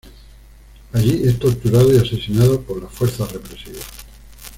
Allí es torturado y asesinado por las fuerzas represivas.